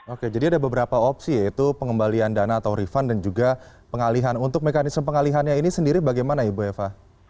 oke jadi ada beberapa opsi yaitu pengembalian dana atau refund dan juga pengalihan untuk mekanisme pengalihannya ini sendiri bagaimana ibu eva